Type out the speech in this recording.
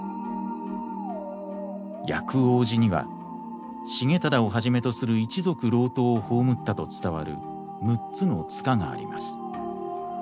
薬王寺には重忠をはじめとする一族郎党を葬ったと伝わる６つの塚があります。